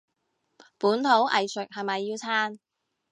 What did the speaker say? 本土藝術係咪要撐？